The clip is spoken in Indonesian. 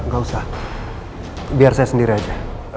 gak usah biar saya sendiri aja